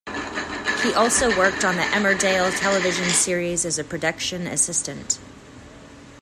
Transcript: He also worked on the "Emmerdale" television series as a production assistant.